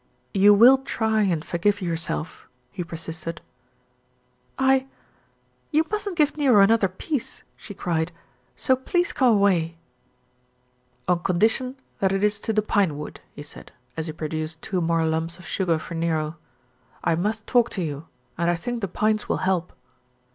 "You will try and forgive yourself?" he persisted. UT "You mustn't give Nero another piece," she cried, "so please come away." "On condition that it is to the pinewood," he said, as he produced two more lumps of sugar for Nero. "I must talk to you, and I think the pines will help."